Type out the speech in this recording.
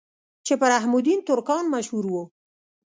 چې پۀ رحم الدين ترکاڼ مشهور وو